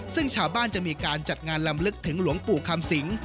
ซึ่งชาวบ้านจะมีการจัดงานลำลึกถึงหลวงปู่คำสิง